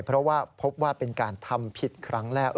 เพราะว่าพบว่าเป็นการทำผิดครั้งแรก